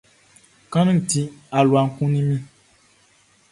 Kanʼni ti, alua kunnin mi.